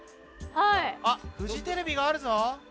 フジテレビがあるぞ。